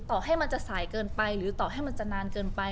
ต่อให้มันจะสายเกินไปหรือต่อให้มันจะนานเกินไป